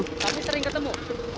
tapi sering ketemu